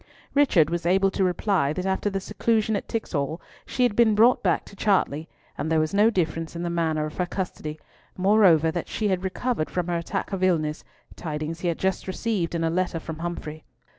Richard was able to reply that after the seclusion at Tixall she had been brought back to Chartley, and there was no difference in the manner of her custody, moreover, that she had recovered from her attack of illness, tidings he had just received in a letter from Humfrey.